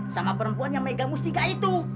sama perempuan yang mega mustika itu